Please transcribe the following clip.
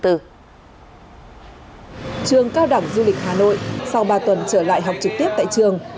trường cao đẳng du lịch hà nội sau ba tuần trở lại học trực tiếp tại trường